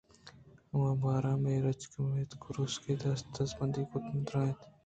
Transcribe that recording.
آ (روباہ)ہمے درٛچک ءِ بُن ءَ اتک ءُ کُروسے دست ءُ دزبندی کُت ءُ درّائینت